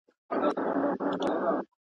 هغه د ژوند تجربې ثبتولې.